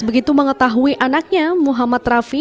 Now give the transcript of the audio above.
begitu mengetahui anaknya muhammad rafi